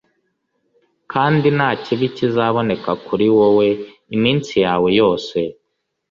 kandi nta kibi kizaboneka kuri wowe iminsi yawe yose.